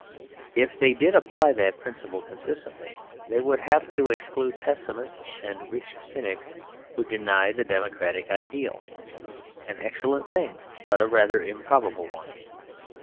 If they did apply that principle consistently, they would have to exclude pessimists and rich cynics who deny the democratic ideal; an excellent thing but a rather improbable one.